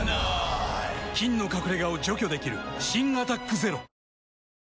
菌の隠れ家を除去できる新「アタックＺＥＲＯ」妹）